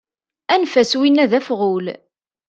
Anef-as win-a d afɣul.